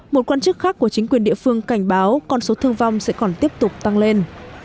một quan chức khác của chính quyền địa phương cảnh báo con số thương vong sẽ còn tiếp tục tăng lên